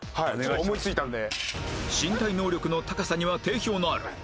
思いついたんで。